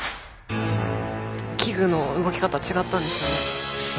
機具の動き方違ったんですかね。